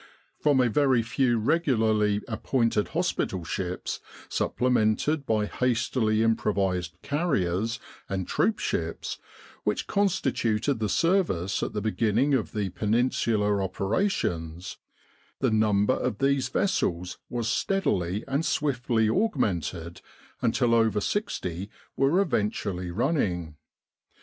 From a very few regularly appointed hospital ships supple mented by hastily improvised * 'carriers*' and troop ships, which constituted the service at the beginning of the Peninsula operations, the number of these vessels was steadily and swiftly augmented until over sixty were eventually running.